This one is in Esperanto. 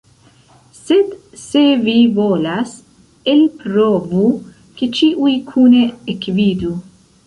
Sed se vi volas, elprovu, ke ĉiuj kune ekvidu.